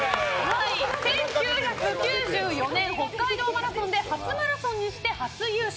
１９９４年、北海道マラソンで初マラソンにして初優勝。